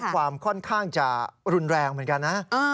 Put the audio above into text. ความค่อนข้างจะรุนแรงเหมือนกันนะ